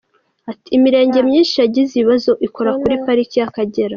Ati “Imirenge myinshi yagize ibibazo ikora kuri Pariki y’Akagera.